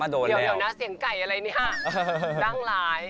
เดี๋ยวเสียงไก่อะไรดั้งหลาย